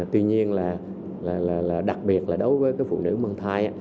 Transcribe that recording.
tuy nhiên là đặc biệt là đối với cái phụ nữ mang thai